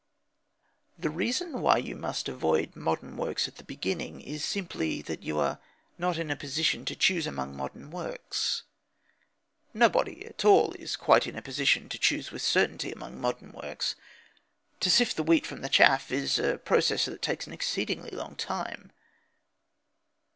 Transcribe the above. The reason why you must avoid modern works at the beginning is simply that you are not in a position to choose among modern works. Nobody at all is quite in a position to choose with certainty among modern works. To sift the wheat from the chaff is a process that takes an exceedingly long time.